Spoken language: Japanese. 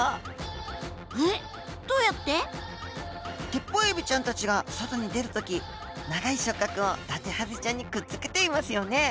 テッポウエビちゃんたちが外に出るとき長い触覚をダテハゼちゃんにくっつけていますよね。